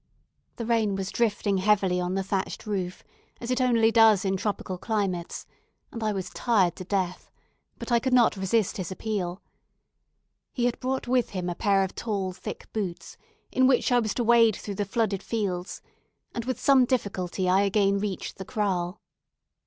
The rain was drifting heavily on the thatched roof, as it only does in tropical climates, and I was tired to death; but I could not resist his appeal. He had brought with him a pair of tall, thick boots, in which I was to wade through the flooded fields; and with some difficulty I again reached the kraal.